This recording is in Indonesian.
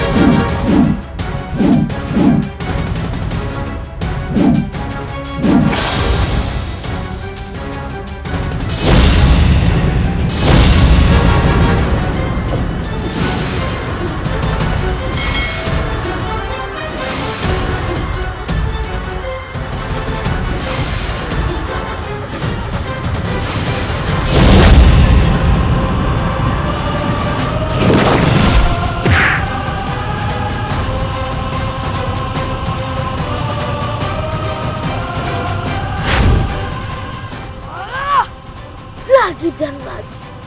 tidak saya akan menanggungmu